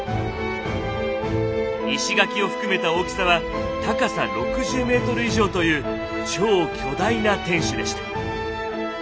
石垣を含めた大きさは高さ６０ｍ以上という超巨大な天守でした。